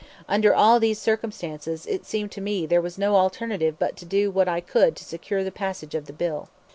Under all these circumstances, it seemed to me there was no alternative but to do what I could to secure the passage of the bill."